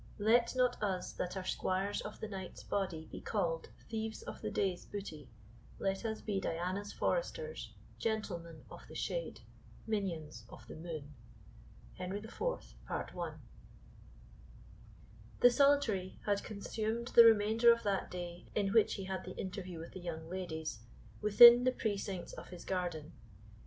Let not us that are squires of the night's body be called thieves of the day's booty; let us be Diana's foresters, gentlemen of the shade, minions of the moon. HENRY THE FOURTH, PART I. The Solitary had consumed the remainder of that day in which he had the interview with the young ladies, within the precincts of his garden.